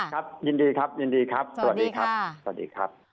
ครับยินดีครับยินดีครับสวัสดีครับ